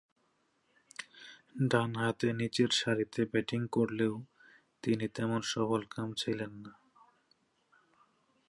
ডানহাতে নিচেরসারিতে ব্যাটিং করলেও তিনি তেমন সফলকাম ছিলেন না।